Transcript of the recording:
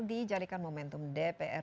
dijadikan momentum dpr